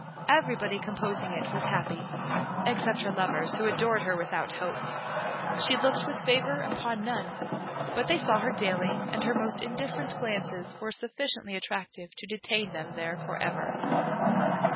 Everybody composing it was happy, except her lovers, who adored her without hope. She looked with favour upon none; but they saw her daily, and her most indifferent glances were sufficiently attractive to detain them there for ever.